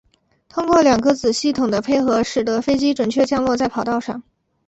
通过两个子系统的配合使得飞机准确降落在跑道上。